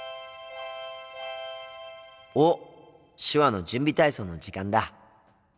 手話の準備体操の時間だ。